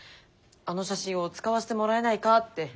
あの写真を使わせてもらえないかって。